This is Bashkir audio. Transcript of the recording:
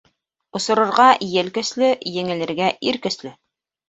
Осорорға ел көслө, еңелергә ир көслө.